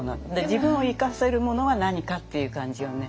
自分を生かせるものは何かっていう感じをね